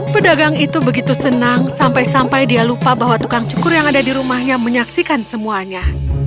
pedagang itu begitu senang sampai sampai dia lupa bahwa tukang cukur yang ada di rumahnya menyaksikan semuanya